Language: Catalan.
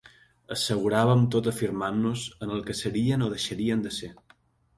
Asseguràvem tot afirmant-nos en el que serien o deixarien de ser.